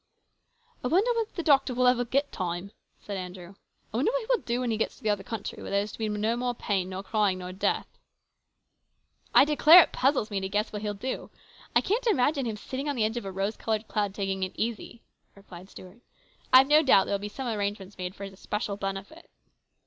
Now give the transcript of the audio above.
" I wonder if the doctor ever will get time ?" said Andrew. " I wonder what he will do when he gets THE CONFERENCE. 253 to the other country, where there is to be no more pain nor crying nor death !"" I declare, it puzzles me to guess what he'll do. I can't imagine him sitting on the edge of a rose coloured cloud taking it easy," replied Stuart. " I have no doubt there will be some arrangements made for his special benefit."